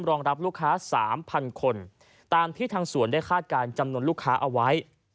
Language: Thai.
รองรับลูกค้าสามพันคนตามที่ทางสวนได้คาดการณ์จำนวนลูกค้าเอาไว้